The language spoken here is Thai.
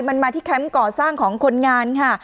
มันมาที่แคมป์ก่อสร้างของคนงานค่ะ